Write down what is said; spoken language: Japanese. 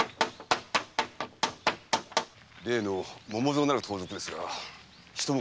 例の「百蔵」なる盗賊ですがひと昔